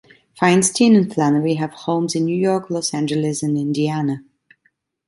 Feinstein and Flannery have homes in New York, Los Angeles, and Indiana.